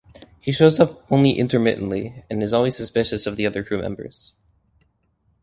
He shows up only intermittently and is always suspicious of the other crewmembers.